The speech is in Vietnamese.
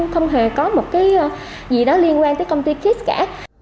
không hề có một cái gì đó liên quan tới công ty kech cả